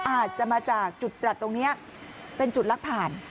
อาจจะมาจากจุดตรัสตรงนี้เป็นจุดลักผ่าน